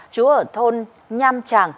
chú ở thôn nham trang